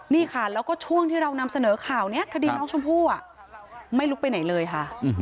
นี่ค่ะแล้วก็ช่วงที่เรานำเสนอข่าวนี้คดีน้องชมพู่ไม่ลุกไปไหนเลยค่ะ